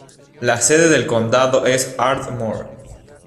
La sede del condado es Ardmore.